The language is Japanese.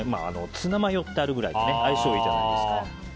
ツナマヨってあるくらいだから相性がいいじゃないですか。